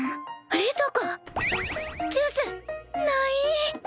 ない！